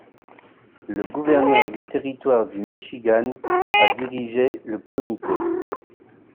Le gouverneur du territoire du Michigan a dirigé le comité.